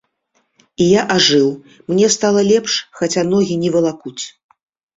І я ажыў, мне стала лепш, хаця ногі не валакуць.